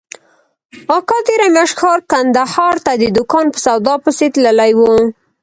اکا تېره مياشت ښار کندهار ته د دوکان په سودا پسې تللى و.